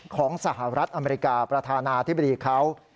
สหรัฐอเมริกาประธานาธิบดีเขา